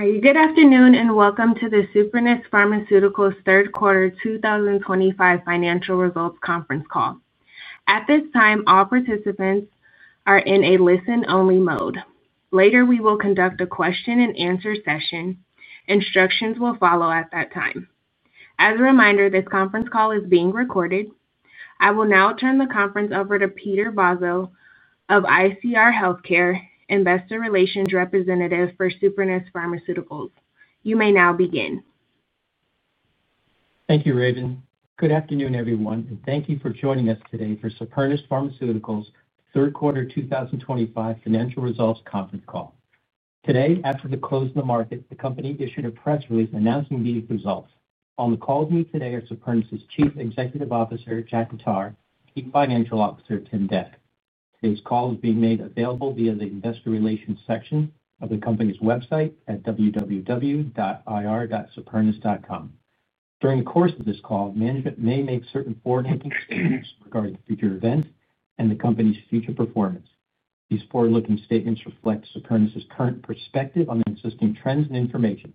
All right. Good afternoon and welcome to the Supernus Pharmaceuticals third quarter 2025 financial results conference call. At this time, all participants are in a listen-only mode. Later, we will conduct a question-and-answer session. Instructions will follow at that time. As a reminder, this conference call is being recorded. I will now turn the conference over to Peter Vozzo of ICR Healthcare, Investor Relations Representative for Supernus Pharmaceuticals. You may now begin. Thank you, Raven. Good afternoon, everyone, and thank you for joining us today for Supernus Pharmaceuticals third quarter 2025 financial results conference call. Today, after the close of the market, the company issued a press release announcing these results. On the call with me today are Supernus's Chief Executive Officer, Jack Khattar, and Chief Financial Officer, Tim Dec. Today's call is being made available via the Investor Relations section of the company's website at www.ir.supernus.com. During the course of this call, management may make certain forward-looking statements regarding future events and the company's future performance. These forward-looking statements reflect Supernus's current perspective on existing trends and information.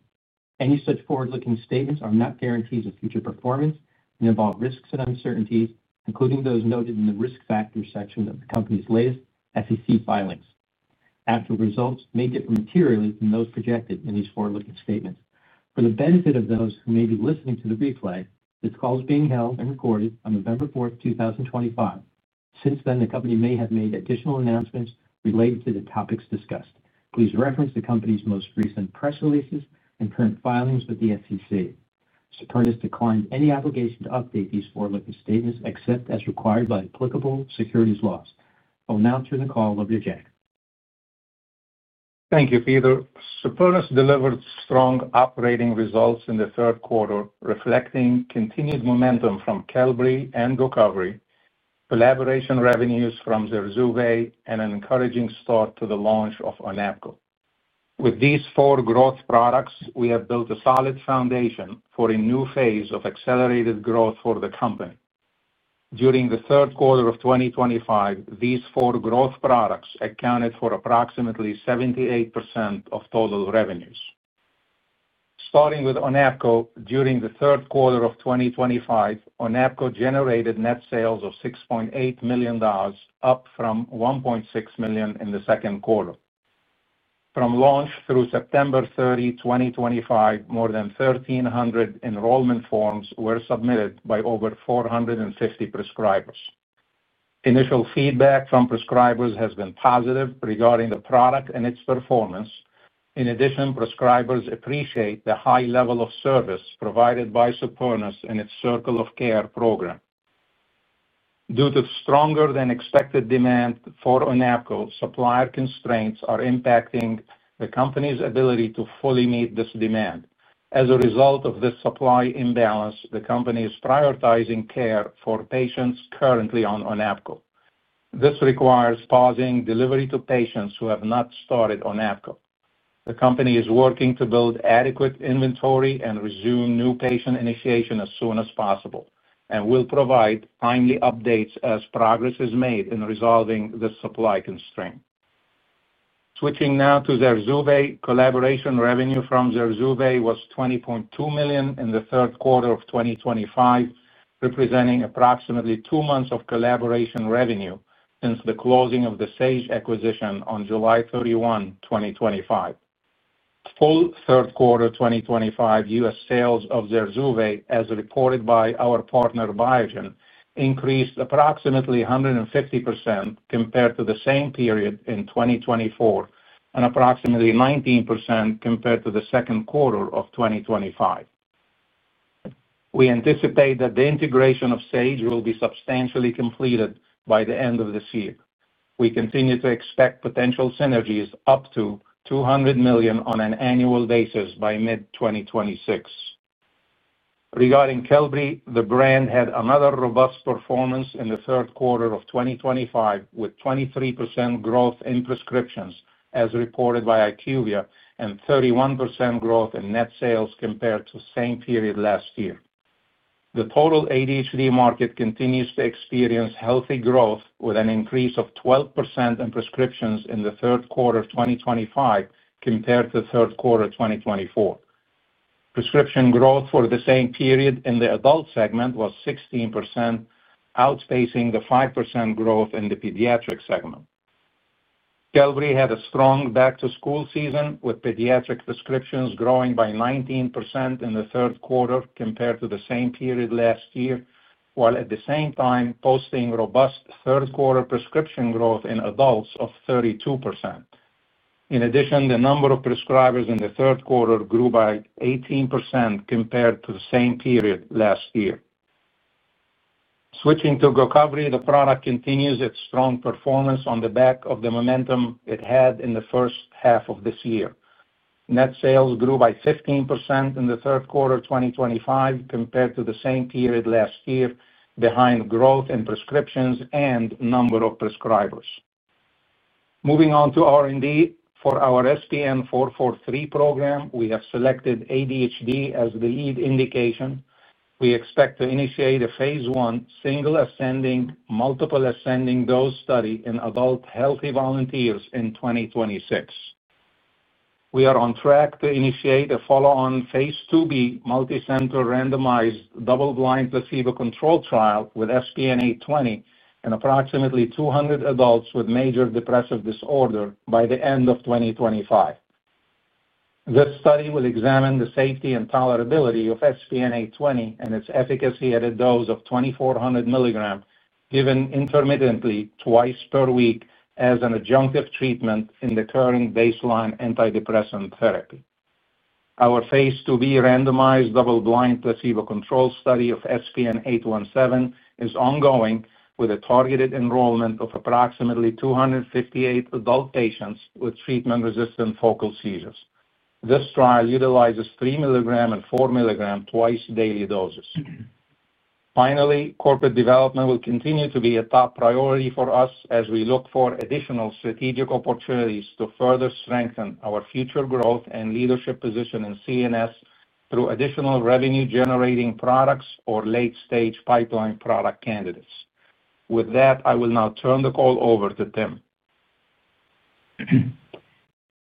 Any such forward-looking statements are not guarantees of future performance and involve risks and uncertainties, including those noted in the risk factors section of the company's latest SEC filings. Actual results may differ materially from those projected in these forward-looking statements. For the benefit of those who may be listening to the replay, this call is being held and recorded on November 4th, 2025. Since then, the company may have made additional announcements related to the topics discussed. Please reference the company's most recent press releases and current filings with the SEC. Supernus disclaims any obligation to update these forward-looking statements except as required by applicable securities laws. I will now turn the call over to Jack. Thank you, Peter. Supernus delivered strong operating results in the third quarter, reflecting continued momentum from Qelbree and GOCOVRI, collaboration revenues from ZURZUVAE, and an encouraging start to the launch of ONAPGO. With these four growth products, we have built a solid foundation for a new phase of accelerated growth for the company. During the third quarter of 2025, these four growth products accounted for approximately 78% of total revenues. Starting with ONAPGO, during the third quarter of 2025, ONAPGO generated net sales of $6.8 million, up from $1.6 million in the second quarter. From launch through September 30, 2025, more than 1,300 enrollment forms were submitted by over 450 prescribers. Initial feedback from prescribers has been positive regarding the product and its performance. In addition, prescribers appreciate the high level of service provided by Supernus and its Circle of Care program. Due to stronger-than-expected demand for ONAPGO, supplier constraints are impacting the company's ability to fully meet this demand. As a result of this supply imbalance, the company is prioritizing care for patients currently on ONAPGO. This requires pausing delivery to patients who have not started ONAPGO. The company is working to build adequate inventory and resume new patient initiation as soon as possible and will provide timely updates as progress is made in resolving the supply constraint. Switching now to ZURZUVAE, collaboration revenue from ZURZUVAE was $20.2 million in the third quarter of 2025. Representing approximately two months of collaboration revenue since the closing of the Sage acquisition on July 31, 2025. Full third quarter 2025 U.S. sales of ZURZUVAE, as reported by our partner Biogen, increased approximately 150% compared to the same period in 2024 and approximately 19% compared to the second quarter of 2025. We anticipate that the integration of Sage will be substantially completed by the end of this year. We continue to expect potential synergies up to $200 million on an annual basis by mid-2026. Regarding Qelbree, the brand had another robust performance in the third quarter of 2025 with 23% growth in prescriptions, as reported by IQVIA, and 31% growth in net sales compared to the same period last year. The total ADHD market continues to experience healthy growth, with an increase of 12% in prescriptions in the third quarter of 2025 compared to the third quarter of 2024. Prescription growth for the same period in the adult segment was 16%. Outpacing the 5% growth in the pediatric segment. Qelbree had a strong back-to-school season, with pediatric prescriptions growing by 19% in the third quarter compared to the same period last year, while at the same time posting robust third-quarter prescription growth in adults of 32%. In addition, the number of prescribers in the third quarter grew by 18% compared to the same period last year. Switching to GOCOVRI, the product continues its strong performance on the back of the momentum it had in the first half of this year. Net sales grew by 15% in the third quarter of 2025 compared to the same period last year, behind growth in prescriptions and number of prescribers. Moving on to R&D for our SPN-443 program, we have selected ADHD as the lead indication. We expect to initiate a phase one single ascending multiple ascending dose study in adult healthy volunteers in 2026. We are on track to initiate a follow-on phase II-B multicenter randomized double-blind placebo control trial with SPN-820 in approximately 200 adults with major depressive disorder by the end of 2025. This study will examine the safety and tolerability of SPN-820 and its efficacy at a dose of 2400 mg, given intermittently twice per week as an adjunctive treatment in the current baseline antidepressant therapy. Our phase II-B randomized double-blind placebo control study of SPN-817 is ongoing, with a targeted enrollment of approximately 258 adult patients with treatment-resistant focal seizures. This trial utilizes three milligram and four milligram twice daily doses. Finally, corporate development will continue to be a top priority for us as we look for additional strategic opportunities to further strengthen our future growth and leadership position in CNS through additional revenue-generating products or late-stage pipeline product candidates. With that, I will now turn the call over to Tim.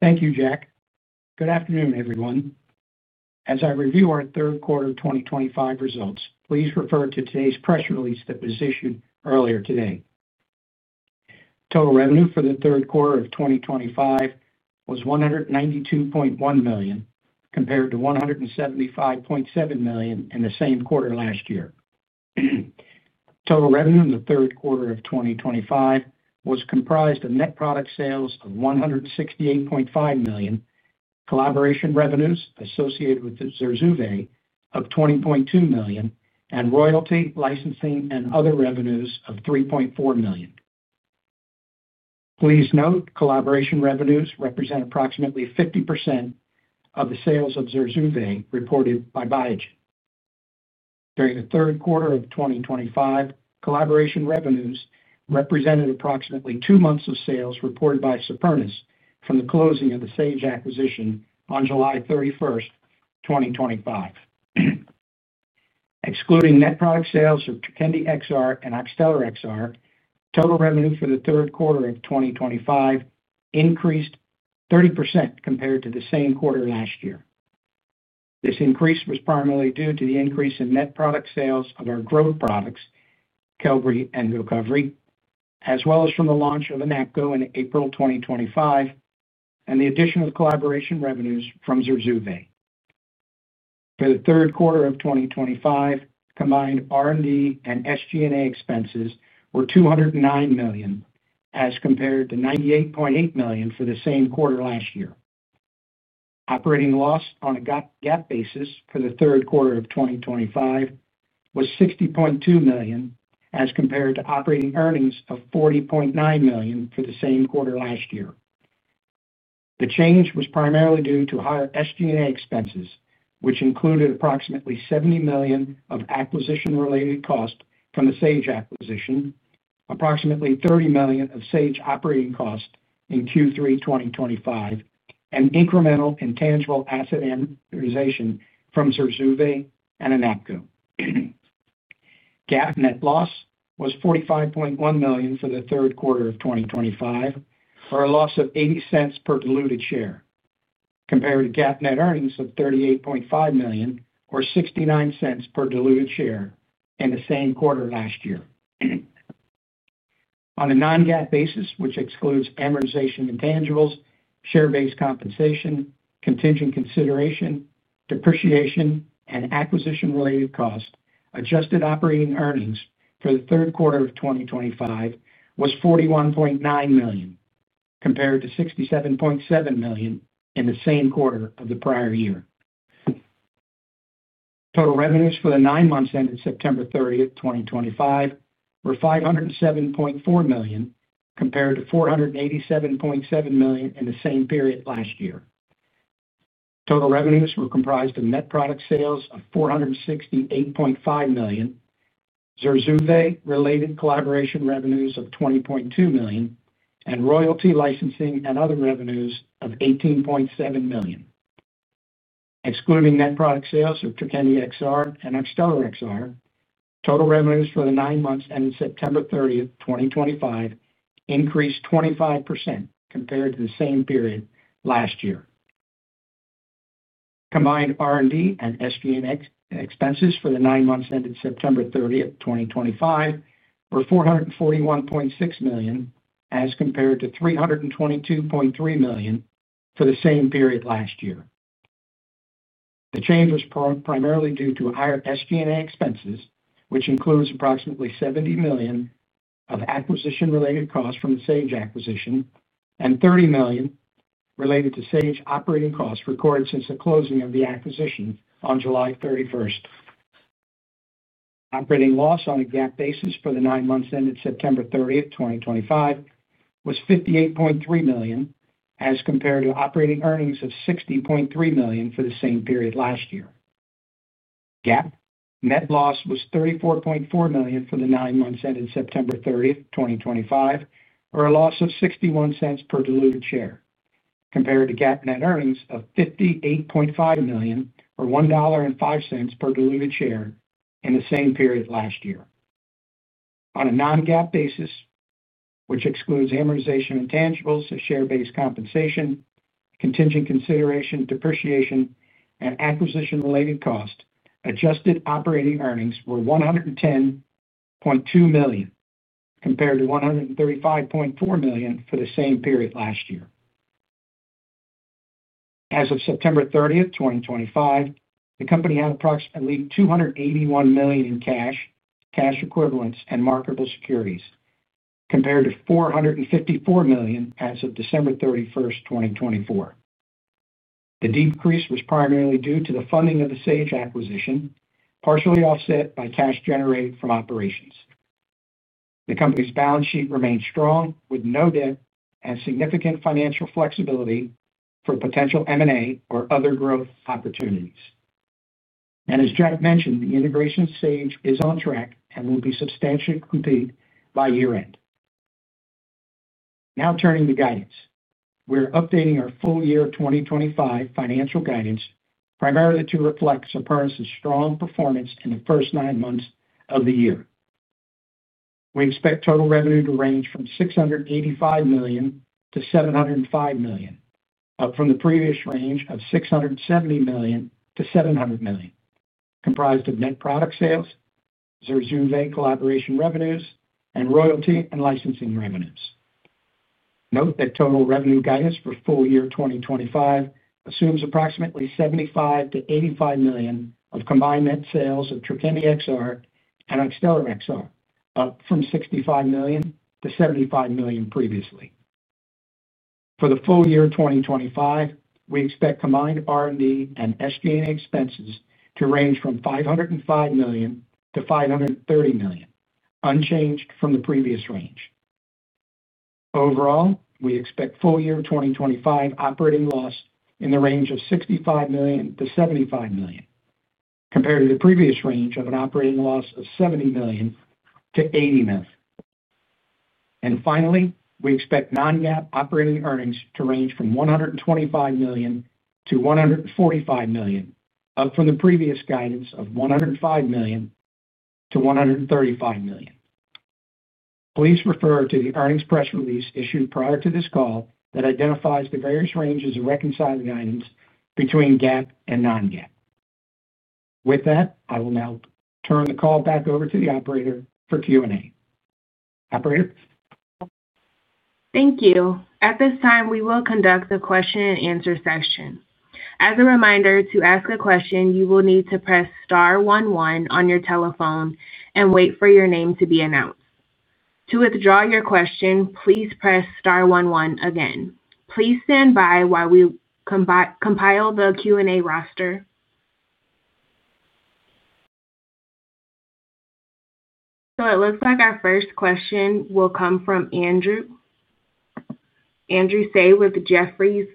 Thank you, Jack. Good afternoon, everyone. As I review our third quarter 2025 results, please refer to today's press release that was issued earlier today. Total revenue for the third quarter of 2025 was $192.1 million compared to $175.7 million in the same quarter last year. Total revenue in the third quarter of 2025 was comprised of net product sales of $168.5 million, collaboration revenues associated with ZURZUVAE of $20.2 million, and royalty, licensing, and other revenues of $3.4 million. Please note collaboration revenues represent approximately 50% of the sales of ZURZUVAE reported by Biogen. During the third quarter of 2025, collaboration revenues represented approximately two months of sales reported by Supernus from the closing of the Sage acquisition on July 31st, 2025. Excluding net product sales of Trokendi XR and Oxtellar XR, total revenue for the third quarter of 2025 increased 30% compared to the same quarter last year. This increase was primarily due to the increase in net product sales of our growth products, Qelbree and GOCOVRI, as well as from the launch of ONAPGO in April 2025, and the addition of collaboration revenues from ZURZUVAE. For the third quarter of 2025, combined R&D and SG&A expenses were $209 million, as compared to $98.8 million for the same quarter last year. Operating loss on a GAAP basis for the third quarter of 2025 was $60.2 million, as compared to operating earnings of $40.9 million for the same quarter last year. The change was primarily due to higher SG&A expenses, which included approximately $70 million of acquisition-related cost from the Sage acquisition, approximately $30 million of Sage operating cost in Q3 2025, and incremental intangible asset amortization from ZURZUVAE and ONAPGO. GAAP net loss was $45.1 million for the third quarter of 2025, or a loss of $0.80 per diluted share, compared to GAAP net earnings of $38.5 million, or $0.69 per diluted share in the same quarter last year. On a non-GAAP basis, which excludes amortization intangibles, share-based compensation, contingent consideration, depreciation, and acquisition-related cost, adjusted operating earnings for the third quarter of 2025 was $41.9 million, compared to $67.7 million in the same quarter of the prior year. Total revenues for the nine months ended September 30th, 2025, were $507.4 million, compared to $487.7 million in the same period last year. Total revenues were comprised of net product sales of $468.5 million, ZURZUVAE-related collaboration revenues of $20.2 million, and royalty, licensing, and other revenues of $18.7 million. Excluding net product sales of Trokendi XR and Oxtellar XR, total revenues for the nine months ended September 30th, 2025, increased 25% compared to the same period last year. Combined R&D and SG&A expenses for the nine months ended September 30th, 2025, were $441.6 million, as compared to $322.3 million for the same period last year. The change was primarily due to higher SG&A expenses, which includes approximately $70 million of acquisition-related cost from the Sage acquisition and $30 million related to Sage operating costs recorded since the closing of the acquisition on July 31st. Operating loss on a GAAP basis for the nine months ended September 30th, 2025, was $58.3 million, as compared to operating earnings of $60.3 million for the same period last year. GAAP net loss was $34.4 million for the nine months ended September 30th, 2025, or a loss of $0.61 per diluted share, compared to GAAP net earnings of $58.5 million, or $1.05 per diluted share in the same period last year. On a non-GAAP basis, which excludes amortization of intangibles, share-based compensation, contingent consideration, depreciation, and acquisition-related cost, adjusted operating earnings were $110.2 million compared to $135.4 million for the same period last year. As of September 30th, 2025, the company had approximately $281 million in cash, cash equivalents, and marketable securities, compared to $454 million as of December 31st, 2024. The decrease was primarily due to the funding of the Sage acquisition, partially offset by cash generated from operations. The company's balance sheet remained strong, with no debt and significant financial flexibility for potential M&A or other growth opportunities. And as Jack mentioned, the integration of Sage is on track and will be substantially complete by year-end. Now turning to guidance, we're updating our full year 2025 financial guidance primarily to reflect Supernus's strong performance in the first nine months of the year. We expect total revenue to range from $685 million-$705 million, up from the previous range of $670 million-$700 million, comprised of net product sales, ZURZUVAE collaboration revenues, and royalty and licensing revenues. Note that total revenue guidance for full year 2025 assumes approximately $75 million-$85 million of combined net sales of Trokendi XR and Oxtellar XR, up from $65 million-$75 million previously. For the full year 2025, we expect combined R&D and SG&A expenses to range from $505 million-$530 million, unchanged from the previous range. Overall, we expect full year 2025 operating loss in the range of $65 million-$75 million, compared to the previous range of an operating loss of $70 million-$80 million. And finally, we expect non-GAAP operating earnings to range from $125 million-$145 million, up from the previous guidance of $105 million-$135 million. Please refer to the earnings press release issued prior to this call that identifies the various ranges of reconciling items between GAAP and non-GAAP. With that, I will now turn the call back over to the operator for Q&A. Operator. Thank you. At this time, we will conduct the question-and-answer session. As a reminder, to ask a question, you will need to press star one one on your telephone and wait for your name to be announced. To withdraw your question, please press star one one again. Please stand by while we compile the Q&A roster. So it looks like our first question will come from Andrew Tsai with Jefferies.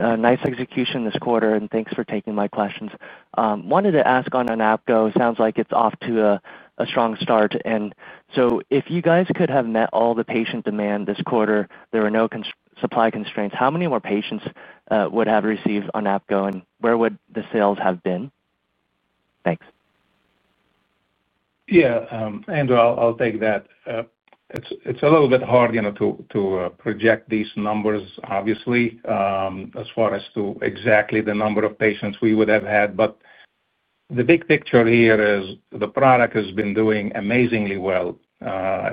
Nice execution this quarter, and thanks for taking my questions. Wanted to ask on ONAPGO. Sounds like it's off to a strong start. And so if you guys could have met all the patient demand this quarter, there were no supply constraints, how many more patients would have received ONAPGO, and where would the sales have been? Thanks. Yeah, Andrew, I'll take that. It's a little bit hard to project these numbers, obviously. As far as to exactly the number of patients we would have had. But the big picture here is the product has been doing amazingly well,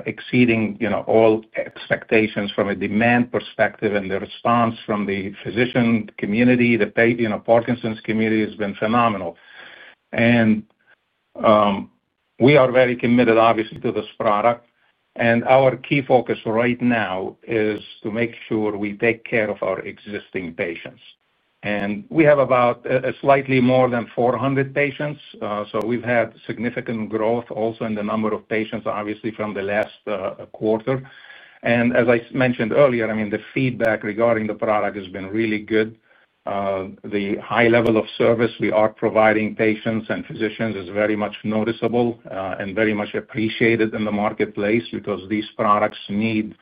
exceeding all expectations from a demand perspective and the response from the physician community, the Parkinson's community has been phenomenal, and we are very committed, obviously, to this product, and our key focus right now is to make sure we take care of our existing patients. And we have about slightly more than 400 patients. So we've had significant growth also in the number of patients, obviously, from the last quarter. And as I mentioned earlier, I mean, the feedback regarding the product has been really good. The high level of service we are providing patients and physicians is very much noticeable and very much appreciated in the marketplace because these products need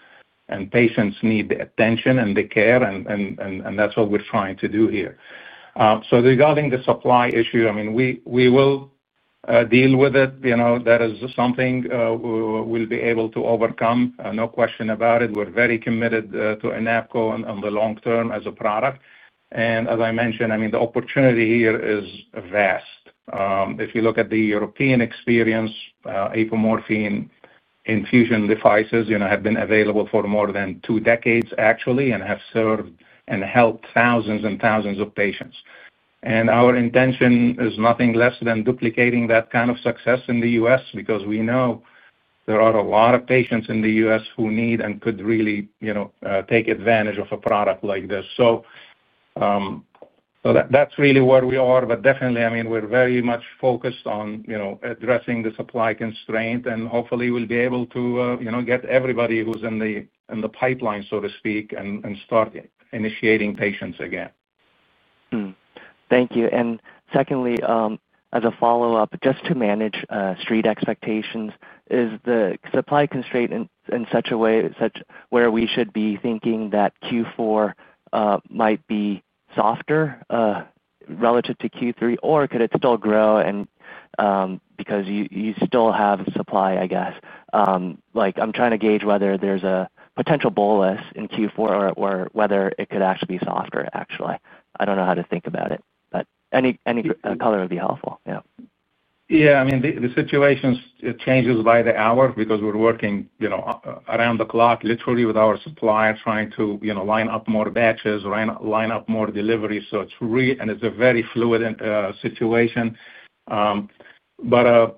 and patients need the attention and the care, and that's what we're trying to do here. So regarding the supply issue, I mean, we will deal with it. That is something we'll be able to overcome, no question about it. We're very committed to ONAPGO on the long term as a product. And as I mentioned, I mean, the opportunity here is vast. If you look at the European experience, apomorphine infusion devices have been available for more than two decades, actually, and have served and helped thousands and thousands of patients, and our intention is nothing less than duplicating that kind of success in the U.S. because we know there are a lot of patients in the U.S. who need and could really take advantage of a product like this, so that's really where we are, but definitely, I mean, we're very much focused on addressing the supply constraint, and hopefully, we'll be able to get everybody who's in the pipeline, so to speak, and start initiating patients again. Thank you. And secondly, as a follow-up, just to manage street expectations, is the supply constraint in such a way where we should be thinking that Q4 might be softer relative to Q3, or could it still grow because you still have supply, I guess? I'm trying to gauge whether there's a potential bolus in Q4 or whether it could actually be softer, actually. I don't know how to think about it, but any color would be helpful. Yeah. Yeah, I mean, the situation changes by the hour because we're working around the clock, literally, with our suppliers trying to line up more batches, line up more deliveries. And it's a very fluid situation. But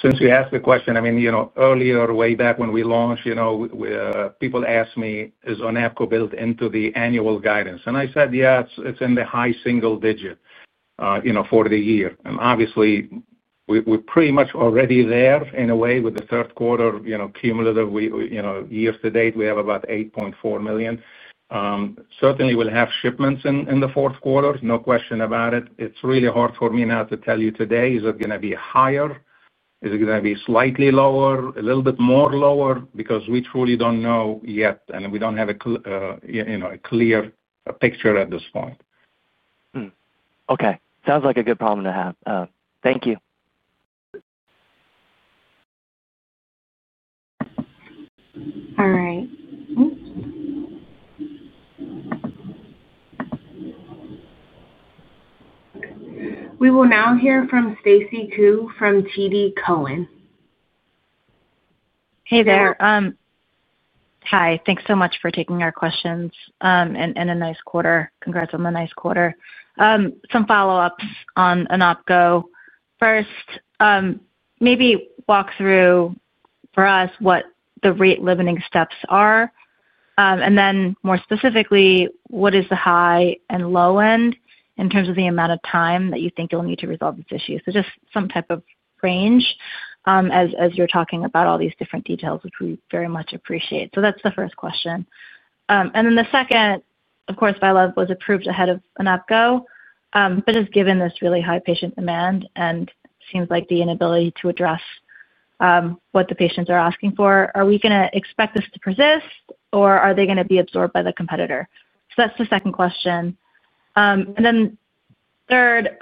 since you asked the question, I mean, earlier, way back when we launched. People asked me, "Is ONAPGO built into the annual guidance?" And I said, "Yeah, it's in the high single digit for the year." And obviously we're pretty much already there in a way with the third quarter cumulative year to date. We have about $8.4 million. Certainly, we'll have shipments in the fourth quarter, no question about it. It's really hard for me now to tell you today, is it going to be higher? Is it going to be slightly lower, a little bit more lower? Because we truly don't know yet, and we don't have a clear picture at this point. Okay. Sounds like a good problem to have. Thank you. All right. We will now hear from Stacy Ku from TD Cowen. Hey there. Hi. Thanks so much for taking our questions in a nice quarter. Congrats on the nice quarter. Some follow-ups on ONAPGO. First. Maybe walk through for us what the rate limiting steps are, and then more specifically, what is the high and low end in terms of the amount of time that you think you'll need to resolve this issue? So just some type of range as you're talking about all these different details, which we very much appreciate. So that's the first question. And then the second, of course, VYALEV was approved ahead of ONAPGO, but just given this really high patient demand and seems like the inability to address what the patients are asking for, are we going to expect this to persist, or are they going to be absorbed by the competitor? So that's the second question. And then. Third,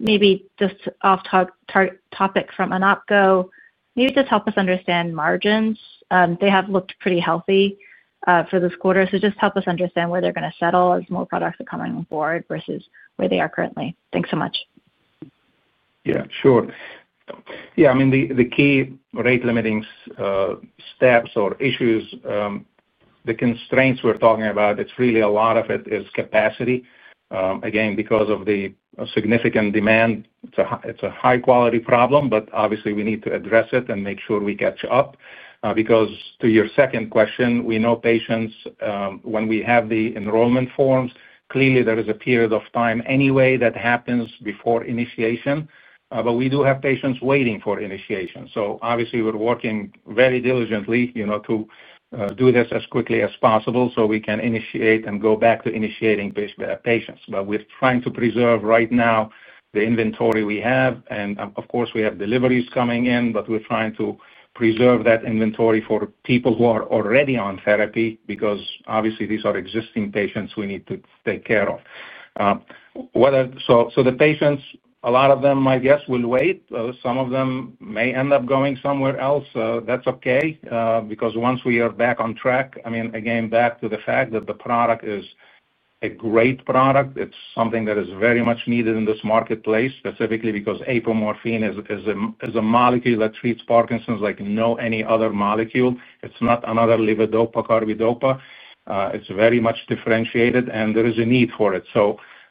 maybe just off-topic from ONAPGO, maybe just help us understand margins. They have looked pretty healthy for this quarter. So just help us understand where they're going to settle as more products are coming on board versus where they are currently. Thanks so much. Yeah, sure. Yeah, I mean, the key rate-limiting steps or issues. The constraints we're talking about, it's really a lot of it is capacity. Again, because of the significant demand, it's a high-quality problem, but obviously, we need to address it and make sure we catch up. Because, to your second question, we know patients, when we have the enrollment forms, clearly, there is a period of time anyway that happens before initiation. But we do have patients waiting for initiation. So obviously, we're working very diligently to do this as quickly as possible so we can initiate and go back to initiating patients, but we're trying to preserve right now the inventory we have. And of course, we have deliveries coming in, but we're trying to preserve that inventory for people who are already on therapy because obviously, these are existing patients we need to take care of, so the patients, a lot of them, I guess, will wait. Some of them may end up going somewhere else. That's okay, because once we are back on track, I mean, again, back to the fact that the product is a great product. It's something that is very much needed in this marketplace, specifically because apomorphine is a molecule that treats Parkinson's like no any other molecule. It's not another levodopa carbidopa. It's very much differentiated, and there is a need for it,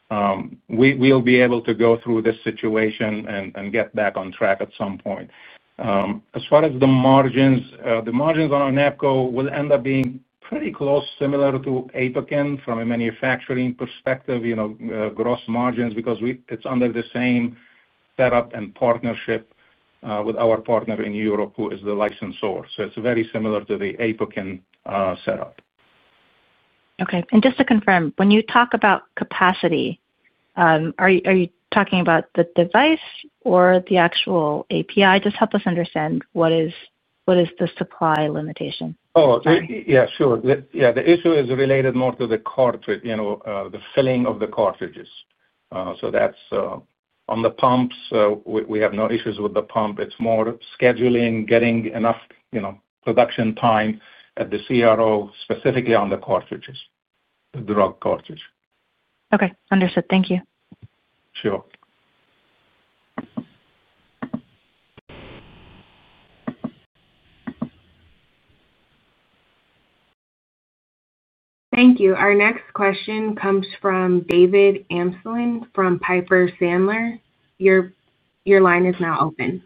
so we'll be able to go through this situation and get back on track at some point. As far as the margins, the margins on ONAPGO will end up being pretty close, similar to APOKYN from a manufacturing perspective, gross margins, because it's under the same setup and partnership with our partner in Europe who is the licensor. So it's very similar to the APOKYN setup. Okay. And just to confirm, when you talk about capacity, are you talking about the device or the actual API? Just help us understand what is the supply limitation. Oh, yeah, sure. Yeah, the issue is related more to the cartridge, the filling of the cartridges. So that's on the pumps. We have no issues with the pump. It's more scheduling, getting enough production time at the CRO, specifically on the cartridges, the drug cartridge. Okay. Understood. Thank you. Sure. Thank you. Our next question comes from David Amsellem from Piper Sandler. Your line is now open.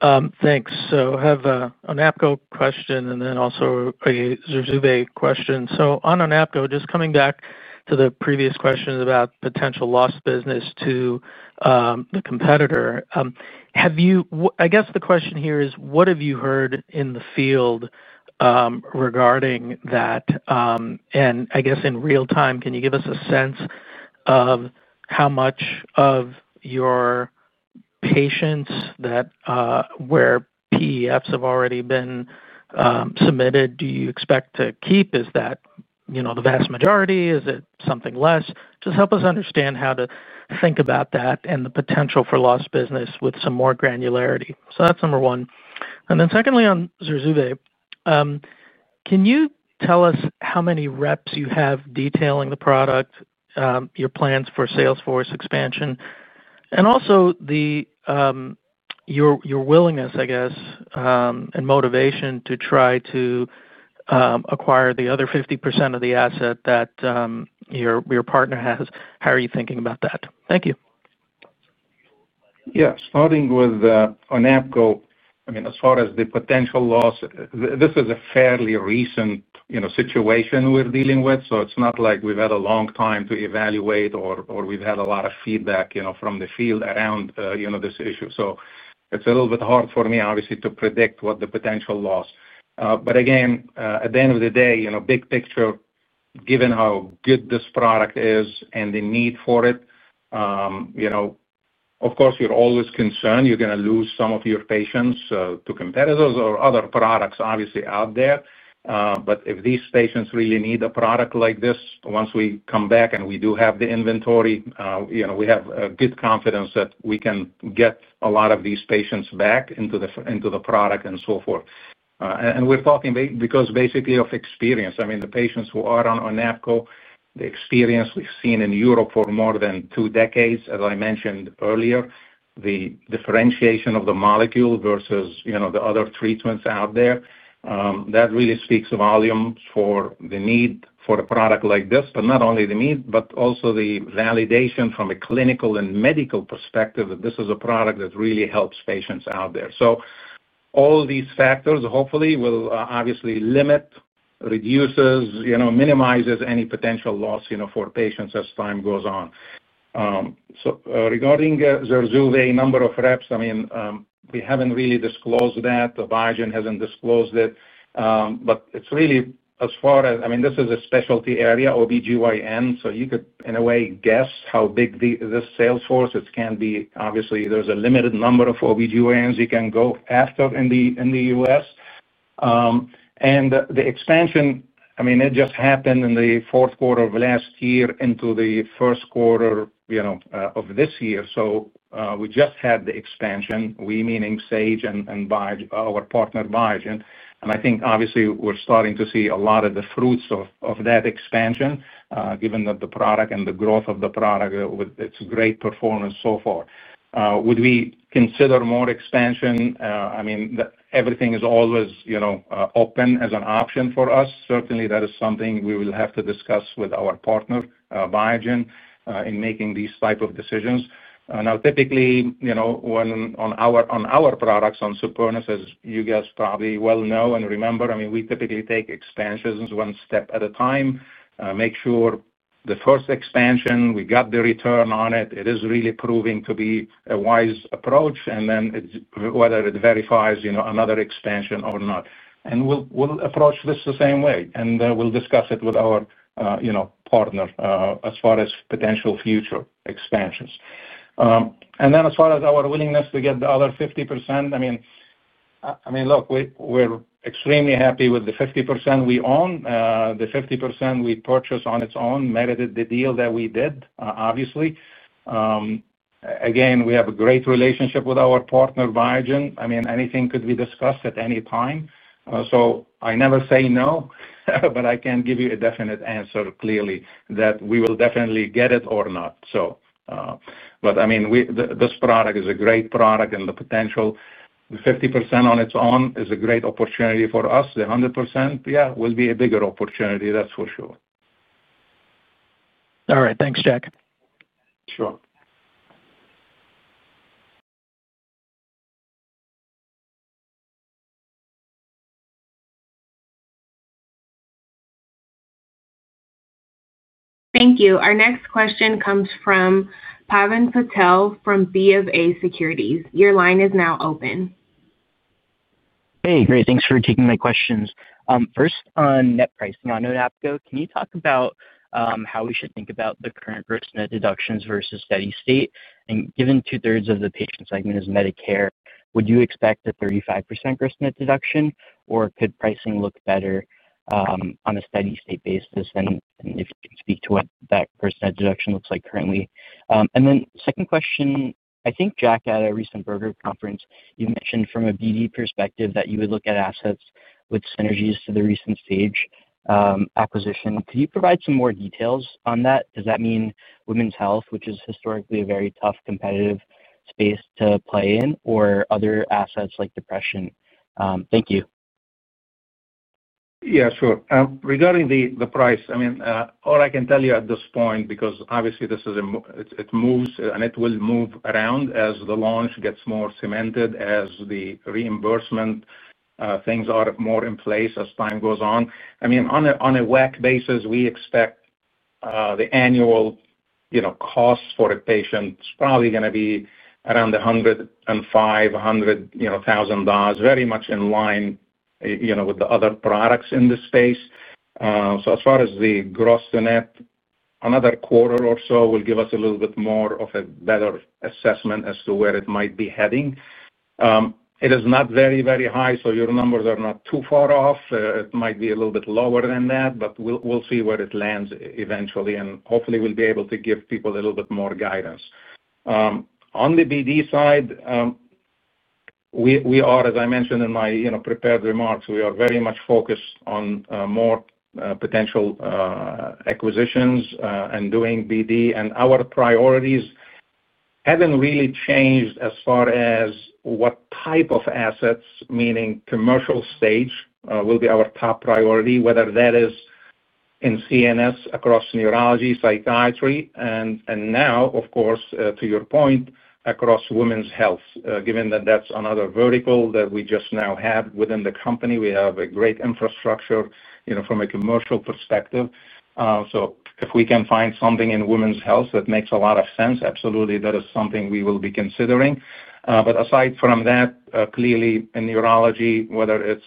Thanks. So I have an ONAPGO question and then also a ZURZUVAE question. So on ONAPGO, just coming back to the previous question about potential lost business to the competitor. I guess the question here is, what have you heard in the field regarding that? And I guess in real time, can you give us a sense of how much of your patients that where PEFs have already been submitted, do you expect to keep? Is that the vast majority? Is it something less? Just help us understand how to think about that and the potential for lost business with some more granularity. So that's number one. And then secondly, on ZURZUVAE. Can you tell us how many reps you have detailing the product, your plans for sales force expansion, and also your willingness, I guess, and motivation to try to acquire the other 50% of the asset that your partner has? How are you thinking about that? Thank you. Yeah. Starting with ONAPGO, I mean, as far as the potential loss, this is a fairly recent situation we're dealing with. So it's not like we've had a long time to evaluate or we've had a lot of feedback from the field around this issue. So it's a little bit hard for me, obviously, to predict what the potential loss. But again, at the end of the day, big picture, given how good this product is and the need for it. Of course, you're always concerned you're going to lose some of your patients to competitors or other products, obviously, out there. But if these patients really need a product like this, once we come back and we do have the inventory, we have good confidence that we can get a lot of these patients back into the product and so forth. And we're talking because basically of experience. I mean, the patients who are on ONAPGO, the experience we've seen in Europe for more than two decades, as I mentioned earlier, the differentiation of the molecule versus the other treatments out there, that really speaks volumes for the need for a product like this. But not only the need, but also the validation from a clinical and medical perspective that this is a product that really helps patients out there. So all these factors, hopefully, will obviously limit, reduces, minimizes any potential loss for patients as time goes on. So regarding ZURZUVAE, number of reps, I mean, we haven't really disclosed that. Biogen hasn't disclosed it. But it's really as far as, I mean, this is a specialty area, OBGYN. So you could, in a way, guess how big this sales force can be. Obviously, there's a limited number of OBGYNs you can go after in the U.S. And the expansion, I mean, it just happened in the fourth quarter of last year into the first quarter of this year. So we just had the expansion, we meaning Sage and our partner Biogen. And I think, obviously, we're starting to see a lot of the fruits of that expansion, given that the product and the growth of the product with its great performance so far. Would we consider more expansion? I mean, everything is always open as an option for us. Certainly, that is something we will have to discuss with our partner, Biogen, in making these types of decisions. Now, typically on our products, on Supernus, as you guys probably well know and remember, I mean, we typically take expansions one step at a time, make sure the first expansion, we got the return on it. It is really proving to be a wise approach, and then whether it verifies another expansion or not. And we'll approach this the same way, and we'll discuss it with our partner as far as potential future expansions. And then as far as our willingness to get the other 50%, I mean. Look, we're extremely happy with the 50% we own. The 50% we purchased on its own merited the deal that we did, obviously. Again, we have a great relationship with our partner, Biogen. I mean, anything could be discussed at any time. So I never say no, but I can give you a definite answer, clearly, that we will definitely get it or not. But I mean, this product is a great product, and the potential. 50% on its own is a great opportunity for us. The 100%, yeah, will be a bigger opportunity, that's for sure. All right. Thanks, Jack. Sure. Thank you. Our next question comes from Pavan Patel from BofA Securities. Your line is now open. Hey, great. Thanks for taking my questions. First, on net pricing on ONAPGO, can you talk about how we should think about the current gross net deductions versus steady state? And given two-thirds of the patient segment is Medicare, would you expect a 35% gross net deduction, or could pricing look better on a steady state basis? And if you can speak to what that gross net deduction looks like currently. And then second question, I think Jack, at a recent broker conference, you mentioned from a BD perspective that you would look at assets with synergies to the recent Sage acquisition. Could you provide some more details on that? Does that mean women's health, which is historically a very tough competitive space to play in, or other assets like depression? Thank you. Yeah, sure. Regarding the price, I mean, all I can tell you at this point, because obviously it moves and it will move around as the launch gets more cemented, as the reimbursement things are more in place as time goes on. I mean, on a WAC basis, we expect the annual cost for a patient is probably going to be around $105,100,000. Very much in line with the other products in this space. So as far as the gross to net, another quarter or so will give us a little bit more of a better assessment as to where it might be heading. It is not very, very high, so your numbers are not too far off. It might be a little bit lower than that, but we'll see where it lands eventually, and hopefully, we'll be able to give people a little bit more guidance. On the BD side, we are, as I mentioned in my prepared remarks, we are very much focused on more potential acquisitions and doing BD. And our priorities haven't really changed as far as what type of assets, meaning commercial stage, will be our top priority, whether that is in CNS, across neurology, psychiatry, and now, of course, to your point, across women's health, given that that's another vertical that we just now have within the company. We have a great infrastructure from a commercial perspective. So if we can find something in women's health that makes a lot of sense, absolutely, that is something we will be considering. But aside from that, clearly, in neurology, whether it's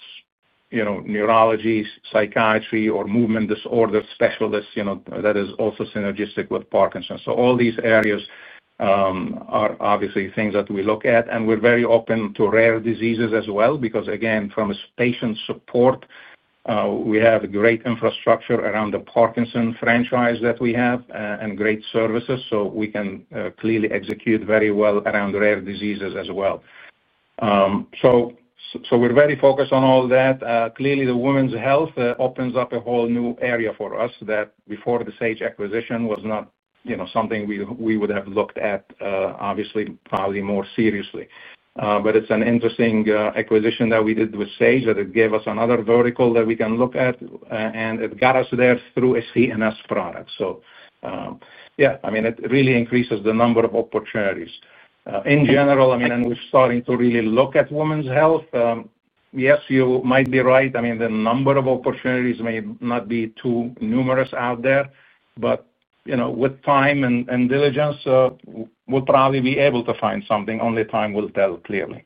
neurology, psychiatry, or movement disorder specialists, that is also synergistic with Parkinson's. So all these areas are obviously things that we look at. And we're very open to rare diseases as well because, again, from a patient support, we have great infrastructure around the Parkinson franchise that we have and great services. So we can clearly execute very well around rare diseases as well. So we're very focused on all that. Clearly, the women's health opens up a whole new area for us that before the Sage acquisition was not something we would have looked at, obviously, probably more seriously. But it's an interesting acquisition that we did with Sage that it gave us another vertical that we can look at. And it got us there through a CNS product. So yeah, I mean, it really increases the number of opportunities. In general, I mean, and we're starting to really look at women's health. Yes, you might be right. I mean, the number of opportunities may not be too numerous out there. But with time and diligence we'll probably be able to find something. Only time will tell, clearly.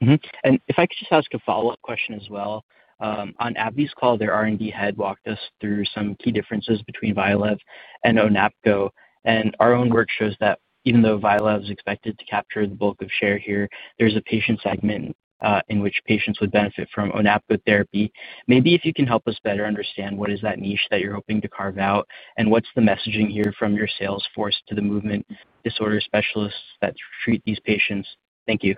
And if I could just ask a follow-up question as well. On AbbVie's call, their R&D head walked us through some key differences between VYALEV and ONAPGO. And our own work shows that even though VYALEV is expected to capture the bulk of share here, there's a patient segment in which patients would benefit from ONAPGO therapy. Maybe if you can help us better understand what is that niche that you're hoping to carve out, and what's the messaging here from your sales force to the movement disorder specialists that treat these patients? Thank you.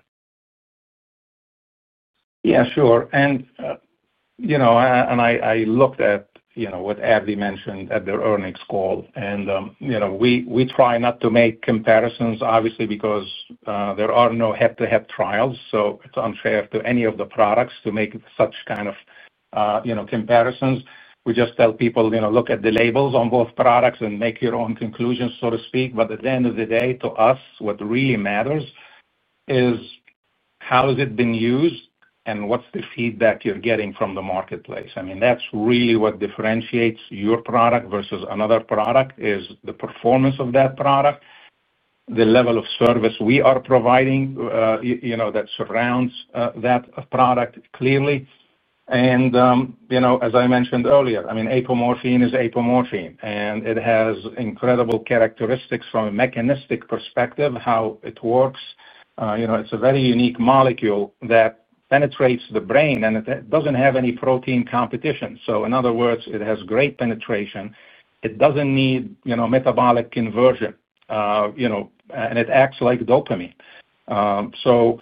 Yeah, sure. I looked at what AbbVie mentioned at their earnings call. We try not to make comparisons, obviously, because there are no head-to-head trials. So it's unfair to any of the products to make such kind of comparisons. We just tell people, "Look at the labels on both products and make your own conclusions," so to speak. But at the end of the day, to us, what really matters is how has it been used, and what's the feedback you're getting from the marketplace? I mean, that's really what differentiates your product versus another product, is the performance of that product. The level of service we are providing that surrounds that product, clearly. As I mentioned earlier, I mean, apomorphine is apomorphine. And it has incredible characteristics from a mechanistic perspective, how it works. It's a very unique molecule that penetrates the brain, and it doesn't have any protein competition. So in other words, it has great penetration. It doesn't need metabolic conversion. And it acts like dopamine. So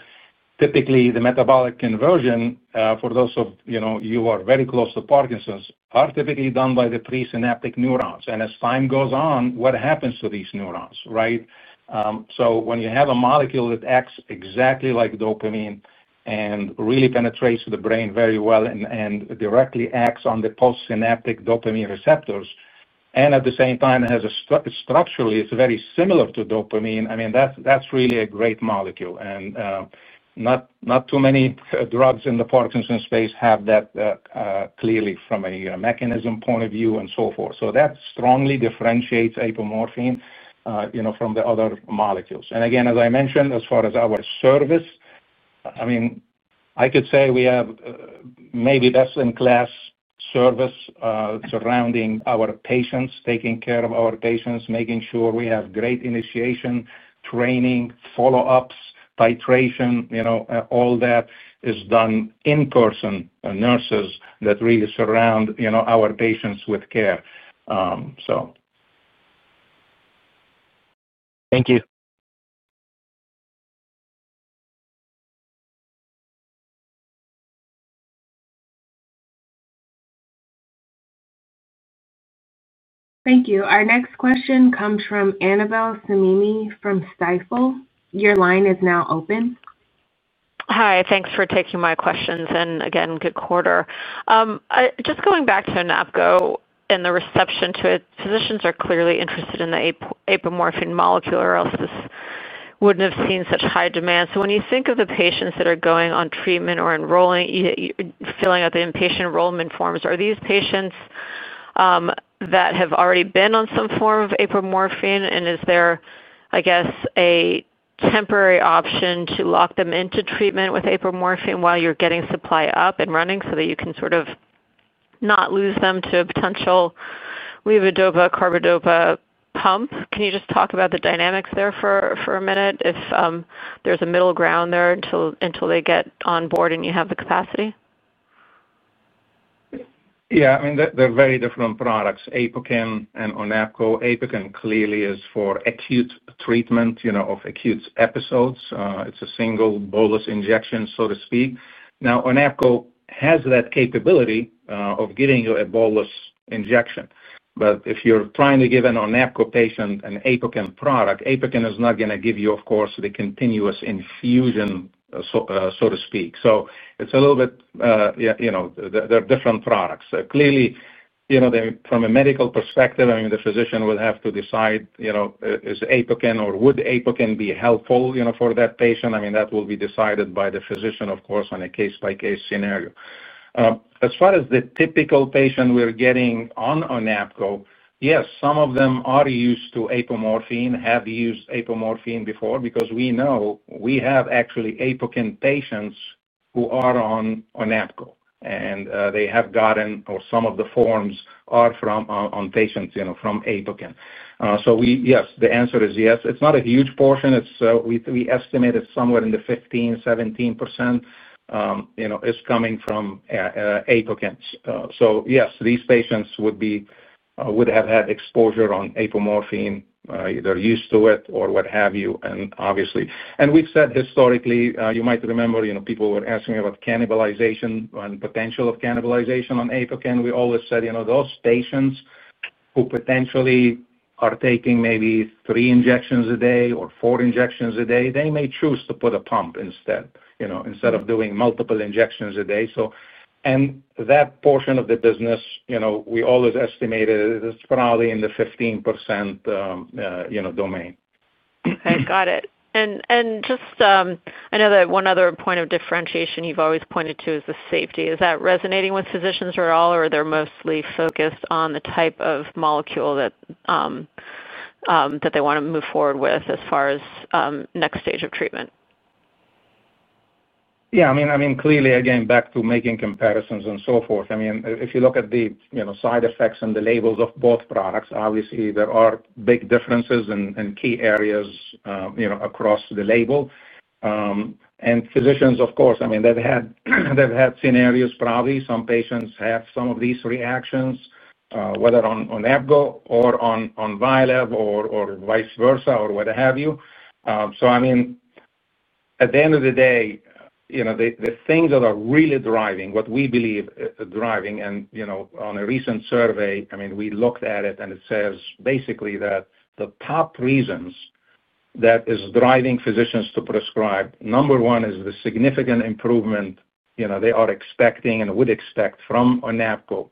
typically, the metabolic conversion, for those of you who are very close to Parkinson's, are typically done by the presynaptic neurons. And as time goes on, what happens to these neurons, right? So when you have a molecule that acts exactly like dopamine and really penetrates the brain very well and directly acts on the postsynaptic dopamine receptors, and at the same time, structurally, it's very similar to dopamine, I mean, that's really a great molecule. Not too many drugs in the Parkinson's space have that. Clearly from a mechanism point of view and so forth. So that strongly differentiates apomorphine from the other molecules. And again, as I mentioned, as far as our service, I mean, I could say we have maybe best-in-class service surrounding our patients, taking care of our patients, making sure we have great initiation, training, follow-ups, titration, all that is done in person. Nurses that really surround our patients with care. So. Thank you. Thank you. Our next question comes from Annabel Samimy from Stifel. Your line is now open. Hi. Thanks for taking my questions. And again, good quarter. Just going back to ONAPGO and the reception to it, physicians are clearly interested in the apomorphine molecule or else this wouldn't have seen such high demand. So when you think of the patients that are going on treatment or enrolling, filling out the patient enrollment forms, are these patients that have already been on some form of apomorphine? And is there, I guess, a temporary option to lock them into treatment with apomorphine while you're getting supply up and running so that you can sort of not lose them to a potential levodopa carbidopa pump? Can you just talk about the dynamics there for a minute, if there's a middle ground there until they get on board and you have the capacity? Yeah. I mean, they're very different products. APOKYN and ONAPGO, APOKYN clearly is for acute treatment of acute episodes. It's a single bolus injection, so to speak. Now, ONAPGO has that capability of giving you a bolus injection. But if you're trying to give an ONAPGO patient an APOKYN product, APOKYN is not going to give you, of course, the continuous infusion. So to speak. So it's a little bit. They're different products. Clearly. From a medical perspective, I mean, the physician will have to decide. Is APOKYN or would APOKYN be helpful for that patient? I mean, that will be decided by the physician, of course, on a case-by-case scenario. As far as the typical patient we're getting on ONAPGO, yes, some of them are used to apomorphine, have used apomorphine before, because we know we have actually APOKYN patients who are on ONAPGO. And they have gotten, or some of the forms are from on patients from APOKYN. So yes, the answer is yes. It's not a huge portion. We estimate it's somewhere in the 15%-17%. Is coming from. APOKYN. So yes, these patients would. Have had exposure on apomorphine. They're used to it or what have you, and obviously. And we've said historically, you might remember people were asking about cannibalization and potential of cannibalization on APOKYN. We always said those patients who potentially are taking maybe three injections a day or four injections a day, they may choose to put a pump instead of doing multiple injections a day. And that portion of the business, we always estimated it's probably in the 15%. Domain. Okay. Got it. And just, I know that one other point of differentiation you've always pointed to is the safety. Is that resonating with physicians at all, or are they mostly focused on the type of molecule that they want to move forward with as far as next stage of treatment? Yeah. I mean, clearly, again, back to making comparisons and so forth. I mean, if you look at the side effects and the labels of both products, obviously, there are big differences and key areas across the label. And physicians, of course, I mean, they've had scenarios, probably. Some patients have some of these reactions, whether on ONAPGO or on VYALEV or vice versa or what have you. So I mean. At the end of the day. The things that are really driving, what we believe driving, and on a recent survey, I mean, we looked at it, and it says basically that the top reasons that is driving physicians to prescribe, number one is the significant improvement they are expecting and would expect from ONAPGO.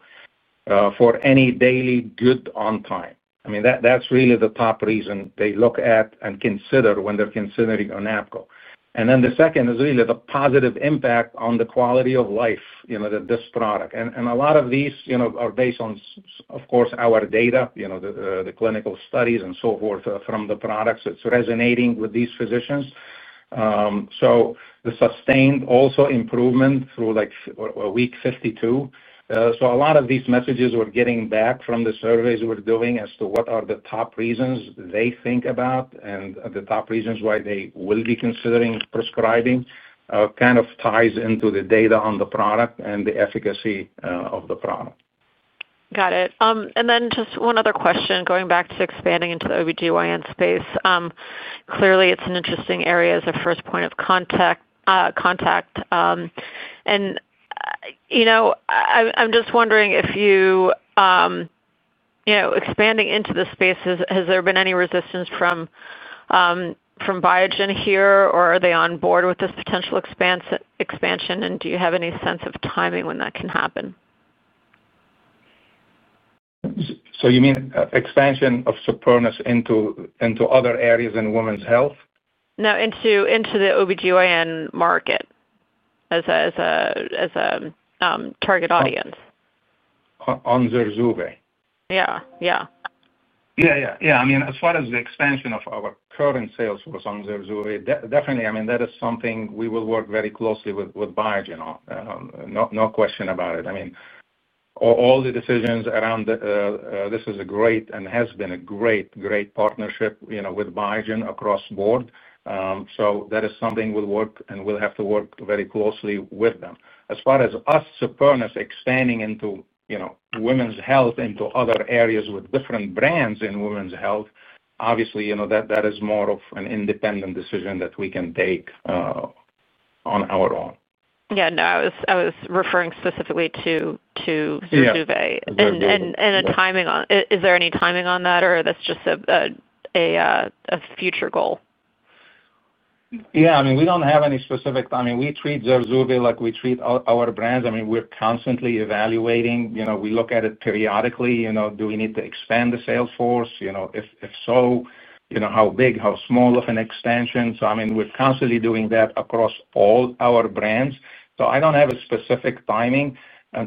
For any daily good on time. I mean, that's really the top reason they look at and consider when they're considering ONAPGO. And then the second is really the positive impact on the quality of life that this product. And a lot of these are based on, of course, our data, the clinical studies and so forth from the products. It's resonating with these physicians. So the sustained also improvement through week 52. So a lot of these messages we're getting back from the surveys we're doing as to what are the top reasons they think about and the top reasons why they will be considering prescribing kind of ties into the data on the product and the efficacy of the product. Got it, and then just one other question going back to expanding into the OBGYN space. Clearly, it's an interesting area as a first point of contact, and I'm just wondering if you're expanding into the space, has there been any resistance from Biogen here, or are they on board with this potential expansion, and do you have any sense of timing when that can happen? So you mean expansion of Supernus into other areas in women's health? No, into the OBGYN market. As a target audience. On ZURZUVAE? Yeah. Yeah. Yeah. Yeah. Yeah. I mean, as far as the expansion of our current sales force on ZURZUVAE, definitely, I mean, that is something we will work very closely with Biogen. No question about it. I mean. All the decisions around. This is a great and has been a great, great partnership with Biogen across the board. So that is something we'll work and we'll have to work very closely with them. As far as us, Supernus expanding into women's health into other areas with different brands in women's health, obviously, that is more of an independent decision that we can take on our own. Yeah. No, I was referring specifically to ZURZUVAE. Yeah. And, is there any timing on that, or is that just a future goal? Yeah. I mean, we don't have any specific time. I mean, we treat ZURZUVAE like we treat our brands. I mean, we're constantly evaluating. We look at it periodically. Do we need to expand the sales force? If so, how big, how small of an expansion? So I mean, we're constantly doing that across all our brands. So I don't have a specific timing.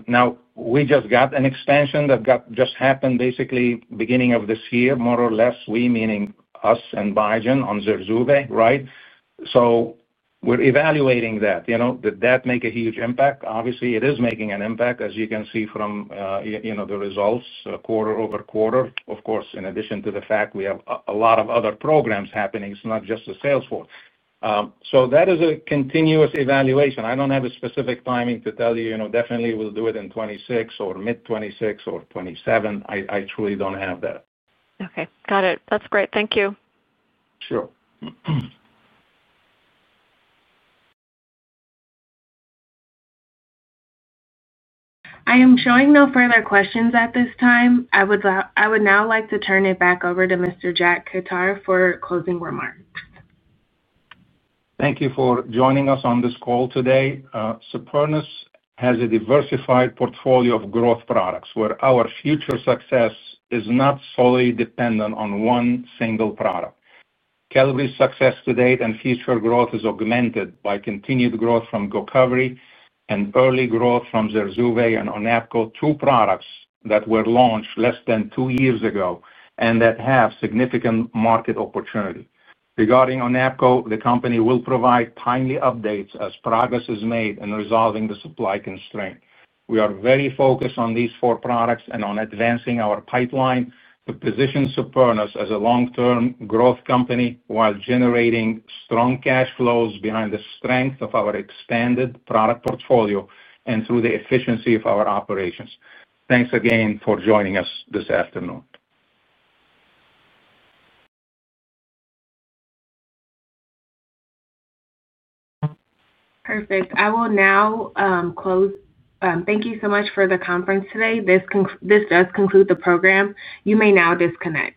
Now, we just got an expansion that just happened basically beginning of this year, more or less, we meaning us and Biogen on ZURZUVAE, right? So we're evaluating that. Did that make a huge impact? Obviously, it is making an impact, as you can see from the results, quarter over quarter. Of course, in addition to the fact we have a lot of other programs happening. It's not just the sales force. So that is a continuous evaluation. I don't have a specific timing to tell you. Definitely, we'll do it in 2026 or mid-2026 or 2027. I truly don't have that. Okay. Got it. That's great. Thank you. Sure. I am showing no further questions at this time. I would now like to turn it back over to Mr. Jack Khattar for closing remarks. Thank you for joining us on this call today. Supernus has a diversified portfolio of growth products where our future success is not solely dependent on one single product. Qelbree's success to date and future growth is augmented by continued growth from GOCOVRI and early growth from ZURZUVAE and ONAPGO, two products that were launched less than two years ago and that have significant market opportunity. Regarding ONAPGO, the company will provide timely updates as progress is made in resolving the supply constraint. We are very focused on these four products and on advancing our pipeline to position Supernus as a long-term growth company while generating strong cash flows behind the strength of our expanded product portfolio and through the efficiency of our operations. Thanks again for joining us this afternoon. Perfect. I will now close. Thank you so much for the conference today. This does conclude the program. You may now disconnect.